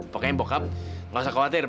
pokoknya bokap gak usah khawatir